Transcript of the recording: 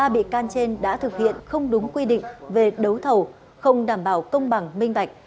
ba bị can trên đã thực hiện không đúng quy định về đấu thầu không đảm bảo công bằng minh bạch